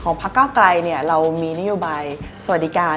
ของพระเก้าไกรเนี่ยเรามีนิวบัยสวัสดิการ